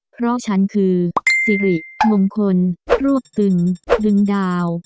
เพราะฉันคือสิริมงคลรวบตึงดึงดาว